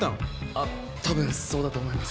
あ多分そうだと思います。